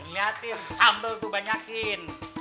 niatin sambel gue banyakin